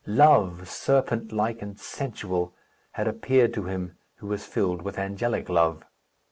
Love, serpent like and sensual, had appeared to him, who was filled with angelic love.